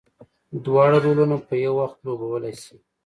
دواړه رولونه په یو وخت لوبولی شي.